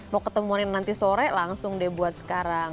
mau ketemuanin nanti sore langsung deh buat sekarang